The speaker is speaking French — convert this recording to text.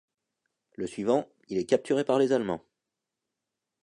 Le suivant, il est capturé par les Allemands.